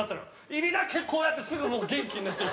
入りだけこうやってすぐもう元気になって。